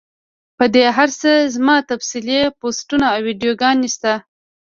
پۀ دې هر څۀ زما تفصیلي پوسټونه او ويډيوګانې شته